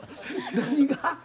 何が？